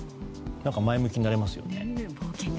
前向きになれますよね。